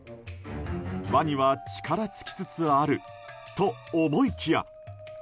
ワニは力尽きつつあると思いきや。